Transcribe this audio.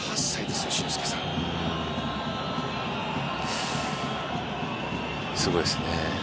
すごいですね。